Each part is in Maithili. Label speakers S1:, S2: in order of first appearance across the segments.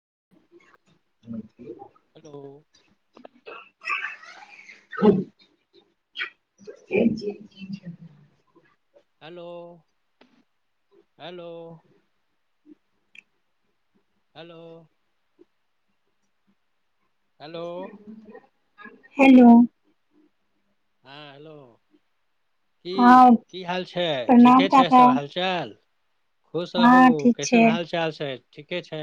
S1: [inaudible]
S2: Hello
S1: [inaudible]
S2: hello hello hello hello
S1: hello
S2: हँ हेलो की
S1: हँ
S2: की हाल छै
S1: प्रणाम
S2: ठीके छै
S1: काका
S2: सब हालचाल खुश रहू
S1: हँ ठीक छै
S2: कइसन हाल चाल छै ठीके छै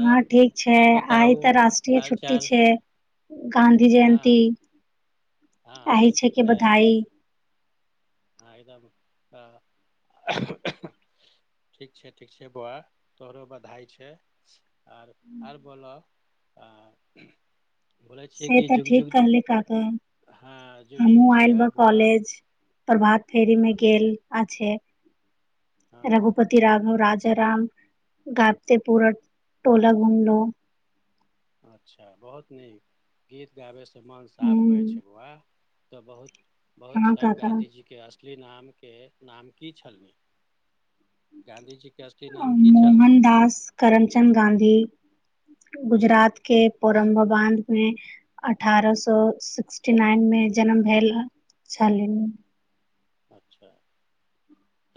S2: तब
S1: हँ ठीक
S2: आर
S1: छय आइ
S2: बताउ
S1: तऽ रष्ट्रीय
S2: हाल
S1: छुट्टी
S2: चाल
S1: छै गाँधी
S2: हँ
S1: जयन्ती
S2: हँ
S1: आही छै कि बधाई
S2: ह एकदम आ ठीक छै ठीक छै बौआ तोहरो बधाई छै आर आर बोल आ बोल
S1: से तऽ ठीक कहले काक
S2: हँ जुग जुग
S1: हमहुँ आयल
S2: जियह
S1: बा
S2: बौआ
S1: कॉलेज प्रभात
S2: हँ
S1: फेरीमे गेल आछे
S2: हँ
S1: घुपति राघव राज राम गाबे प टोला घुमलहुं
S2: अच्छा बहुत नीक गीत गाबै से मन
S1: ह
S2: साफ होइ छै बौआ तऽ बहुत बहुत
S1: हँ
S2: छै
S1: काका
S2: गाधीजीके असली नामके नाम की छलनि गाँधीजी के असली नाम की छलनि
S1: मोहन दास करमचंद गाँधी गुजरात के परोभर बंध गाम मे अठारह सो सिक्सटी नाइन मे जन्म भेल छलल
S2: अच्छा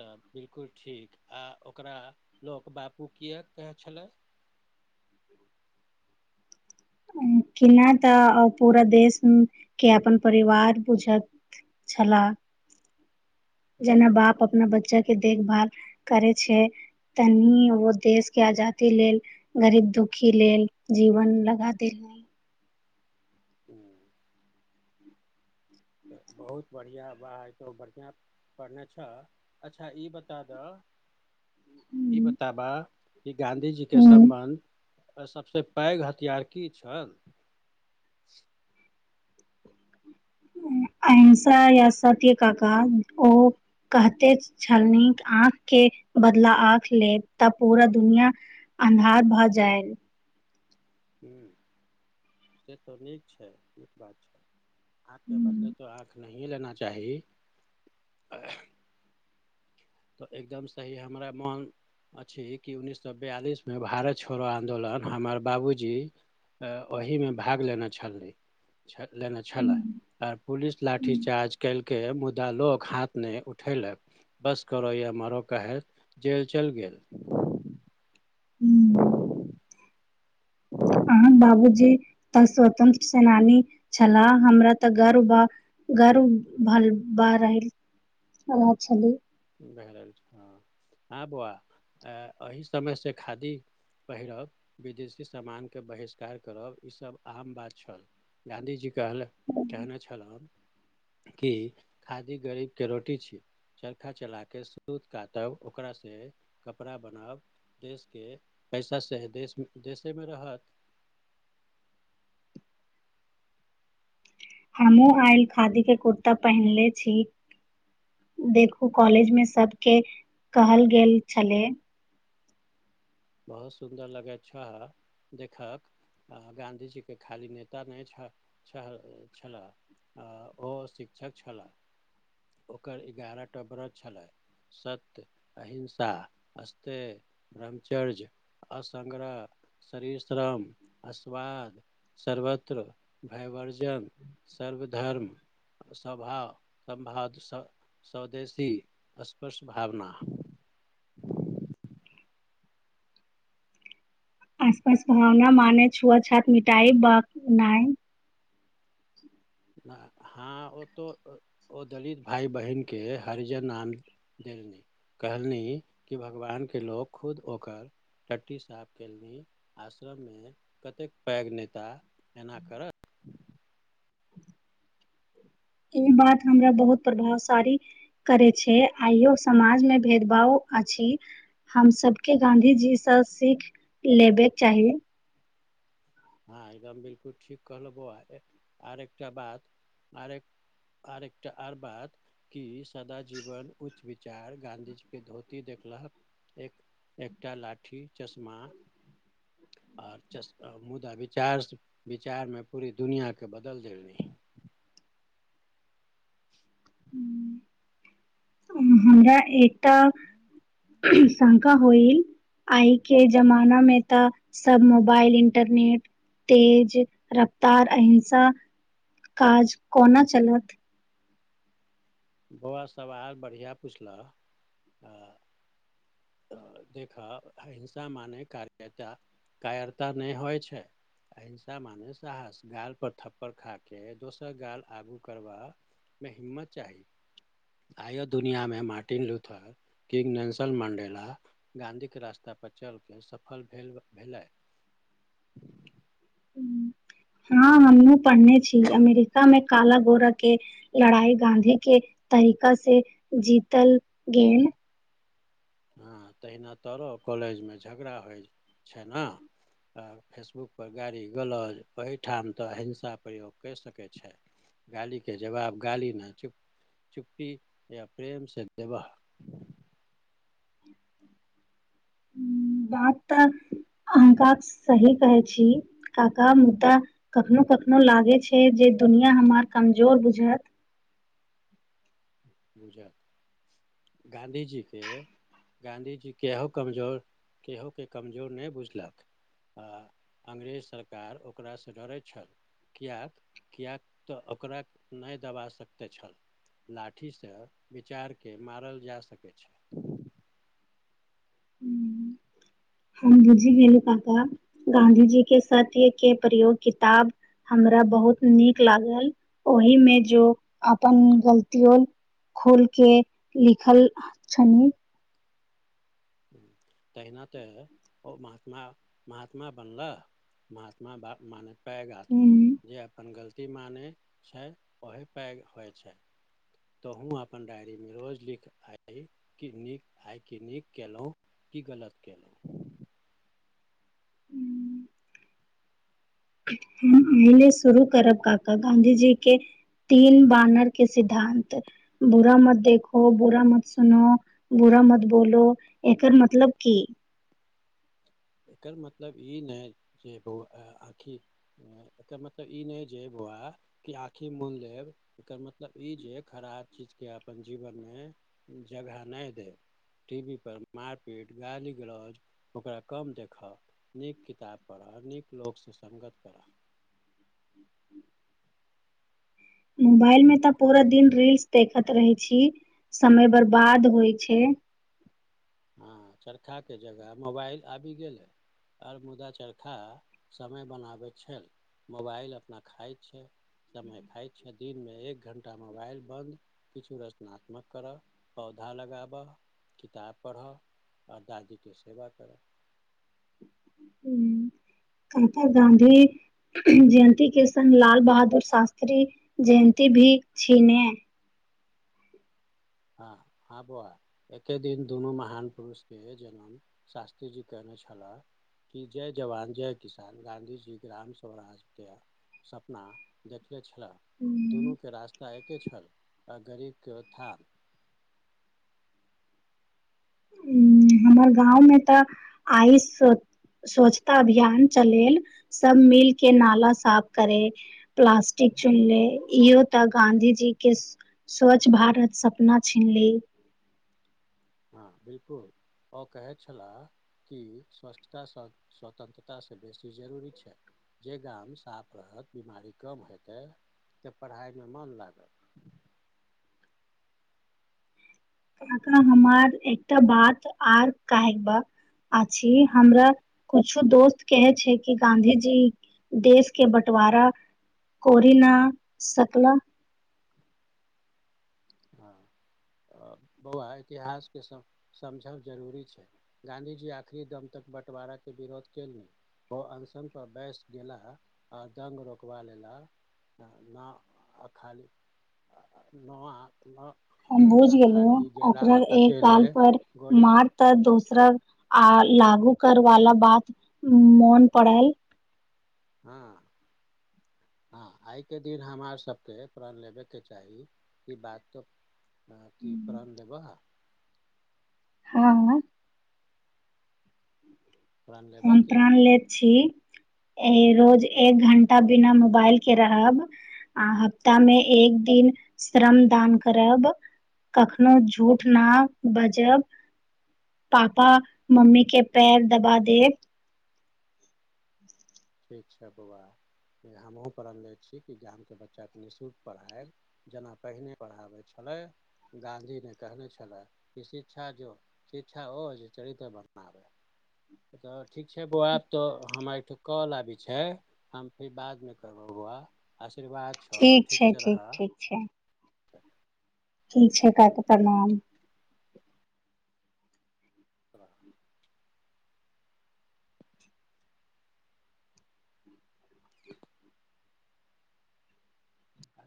S2: तऽ बिलकुल ठीक आ ओकरा लोक बापू किए कहे छलै
S1: [inaudible] किना तऽ पूरा देश के अपन परिवार बुझत छला
S2: हुँ
S1: जेना बाप अपना बच्चा के देखभाल करै छै तनी ओ देश के आजादी लेल गरीब दुख दुखी लेल जीवन लगा देल नहि
S2: [inaudible] बहुत बढ़िया बा तो बढ़िया पढ़ने छौ अच्छा ई बता दह
S1: [inaudible]
S2: ई
S1: देलनि
S2: बताब कि गाँधी जी के सम्बन्ध आ सभसे पैघ हथियार की छल
S1: ऐंसा यै सते कका ओ कहते छलनि आँख के बदला आँख लेब तऽ पूरा दुनिया अन्हार भऽ जाय
S2: हुँ से तो नीक छै नीक बात छै आग के बदले तो आ नहिए लेना चाही तऽ एकदम सही हमरा मोन अछि कि उन्ननीस सए बयालिस में भारत छोड़ो आंदोलन हमर बाबूजी अ ओहिमे भाग लेने छली लेने छलला आर पुलिस लाठी चार्ज कल्हि के के मुद्दा लोको हाथ नहि उठेलक बस करो य मरो कह ह जेेल चल गेल
S1: ह्म अह बाबूजी तऽ स्वतन्त्र सेनानी छलाह हमरा तऽ गर्व बा गारू भाल ब रलह छली
S2: भए रहल हँ बौआ एहि समय से खादी पहिरब विदेशी समामान के बहिष्कार करब ईसभ आम बात छल गाॅंधी जी कहले कहने छलहो कि खादी गरीब के रोटी छी चरखा चला के सूत काटब ओकरा से कपड़ा बनाब देश के पैसा से देश देशे मे रहत
S1: [inaudible] हमहुँ आयल खादी के कुर्ता पहिनले छी देखू कॉलेजमे सबके कहल गेल छलै
S2: बहुत सुन्दर लगैछौ देखक आ गाँधीजी के खाली नेता नहि छल छल छलह अ ओ शिक्षक छलाह ओकर एगारह टा व्रज छलैन्ह सत्य अहिंसा अस्त ब्रह्मचर्य असंग्रह शरीरश्रम अस्वाद सर्वत्र भय वर्जन सर्वधर्म स्वभाव समाध सम स्वदेशी अस्पर्श भावना
S1: आसपास भावना माने छुआ छात मिटायब बा नहि
S2: हँ ओ तो ओ दलित भाय बहिन के हरिजन नाम देलनि कहलनी कि भगवान के लोको खुद ओकर टट्टी साफ केलनि आश्रम मे कतेक पैघ नेता एना करत
S1: [inaudible] ई बात हमरा बहुत प्रभावशाली करय छै आइयो समाज मे भेदभाव अछि हम सबके गांधी जीसँ सीख लेबेके चाही
S2: हँ एकदम बिलकुल ठीक कहल बौआ आ एकटा बात आर एक आर एकटा आर बात कि सदा जीवन उच्च विचार गाँधीजी के धोती देखलहक एक एकटा लाठी चश्मा आ मुदाबित विचार विचार मे पूरी दुनिया के बदल देबहिं
S1: हमरा एकटा शंका होइल आइ के जमाना में तऽ सब मोबाइल इंटरनेट तेज रफ्तार अहिंसा काज कोना चलत
S2: बौआ सवाल बढ़िआँ पुछलह हँ देख अहिंसा माने कार्यता कायरता नहि होइ छै अहिंसा माने साहस गाल पर थप्पड़ खा के दोसर गाल आगू करबा मे हि्मत चाही
S1: [inaudible]
S2: आयो दुनियामें Martin Luther King Nelson Mandela गाधी के रास्त पर चल कहलथिन सफल भेल भेलै
S1: [inaudible] हँ हमू पढ़ने छी अमेरिका में काला गोरा के लड़ाई गाँधी के तरीका से जीतल गेम
S2: हँ तहिना तोरो कॉलेजमे झगड़ा होइ छै ने आ फेसबुकपर गाड़ी गलौज ओहठाम तऽ हिंसा प्रयोग करि सकय छै गाली के जवाब गाली न चुप चुप्पी या प्रेम से देबह
S1: ह बात तऽ अहंका सही कहय छी काका मुद्दा कखनो कखनो लागे छै जे दुनिया हमार कमजोर बुझत
S2: गुजरात गाँधीजी के गाँधीजी केहो कमजोर केहो के कमजोर नहि बुझलक आ अंग्रेज सरकार ओकरासँ डरैत छल कियक किएक तऽ ओकरा नहि दबा सकते छल ला ठी से विचार के मारल जा सकैत छै
S1: ही भेल पाबा गाँधी जी के सत्य के प्रयोग किताब हमरा बहुत नीक लागल ओहि मे जो अपन गलतियो खोल के लिखल छनि
S2: तहिना तऽ ओ महात्मा महात्मा बनला महात्मा बाप मानत पैघ आत्मा
S1: हूँ।
S2: जे अपन गलती मानै छै ओहे पैघ होइ छै तोहूँ अपन डायरी मे रोज लिख आइ नीक आइ क नीक केलहु की गलत केलहु
S1: हम अहिने शुरू करब कका गाँधीजी के तीन बानर के सिद्धान्त बुरा मत देखो बुरा मत सुनो बुरा मत बोलो एकर मतलब की
S2: एकर मतलब ई नहि जे आखि एकर मतलब ई नहि जेब आखि मोन लेब एकर मतलब ई जे खराब चीज के अपन जीवन मे जगह नहि दे टी वी पर मारपीट गाली गलौज ओकरा कम देख लिख नीक किताब पढ़ऽ नीक लोक सु संगत करह
S1: मोबाइल में तऽ पूरा दिन रील्स देखैत रहै छी समय बर्बाद होइ छै
S2: हँ चरखाके जगह मोबाइल आबि गेल है आर मुदा चरखा समय बनाबैत छल मोबाइल अपना खाइत छै समय खाइत छै दिन मे एक घंटा मोबाइल बन्द किछु रचनात्मक करब प पधा लगाबा किताब पढ़ऽ आ दादीके सेवा करऽ
S1: कप गाँधी जयन्ती के सङ् लाल बहादुर शास्त्री जयन्ती भी छीने है
S2: हँ हँ बौआ एके दिन दुनू महान पुरुषके जन्म शास्त्री जी कयलनि छलाह क जय जवान जय किसान गाँधी जी ग्राम स्वराज्यके सपना छल दुनू के रास्ता एके छल आ गरीब के उत्थान
S1: हमर गाँव मे तऽ आइस स्वच्छता अभियान चलेल सब मिल के नाला साफ करे प्लास्टिक चुनले इहो तऽ गाँधीजी के स्वच्छ भारत सपना छीनली
S2: ह बिलकुल ओ कहे छलाह क सता स्वतंत्रता से बेसी ची जरूरी छै जे गाम साफ रहत बिमारी कम हेतै तऽ पढ़ाइमे मोन लागत
S1: काका हमर एकटा बात आर काहबा छी हमरा कुछो दोस्त कहे छै कि गाँधीजी देश के बँटवारा कोरिना सकला
S2: हँ बौआ इतिहास के समझब जरूरी छै गाँधी जी आखरी दम तक बटवारा के विरोध केलि ओ अनशन पर बैस गेला आर दंग रोकबा लेला न खाली न
S1: हम बुझ
S2: आ
S1: गेलहु
S2: खाली गेला
S1: ओकरा एक
S2: अकेले
S1: काल पर
S2: गोली
S1: मार त दोसरा आ लागू कर वाला बात मन पड़ायल
S2: हँ हँ आइके दिन हमार सबके प्रण लेबेके चाही ई बात तऽ कि प्रण देब हँ
S1: हँ
S2: प्रण लेबह
S1: हम
S2: की
S1: प्राण लेैत छी रोज एक घंटा बिना मोबाइल के रहब आ हफ्ता मे एक दिन श्रम दान करब कखनो झूठ न बजब पापा मम्मी के पैर दबा देब ह
S2: देखीकछ बाबा जे हमहुूँ पढ़ल ले छी कि गाम के बच्चा के निःशुल्क पढ़ायब जेना पहिने पढ़ाबे छल गाँधी ने कहने छले शिक्षा जो शिक्षा ओ जे चरित्र बनना
S1: ह
S2: तऽ ठीक छै बौआ आब तो हमारठ कॉल आबी छै हम फिर बाद मे करब बुआ
S1: ठीक छै ठीक ठीक छै
S2: च
S1: ठीक छै क कऽ प्रणाम
S2: ह